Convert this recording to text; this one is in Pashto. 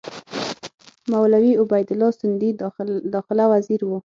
مولوي عبیدالله سندي داخله وزیر وو.